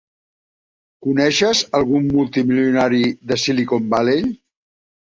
Coneixes algun multimilionari de Silicon Valley?